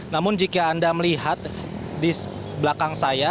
namun jika anda melihat di belakang saya